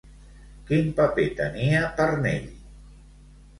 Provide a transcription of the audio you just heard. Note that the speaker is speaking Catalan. Quin paper tenia Parnell?